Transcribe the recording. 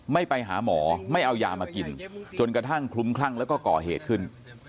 ไม่ไปหาหมอไม่เอายามากินจนกระทั่งคลุ้มคลั่งแล้วก็ก่อเหตุขึ้น